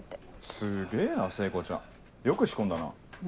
すげぇな聖子ちゃんよく仕込んだな。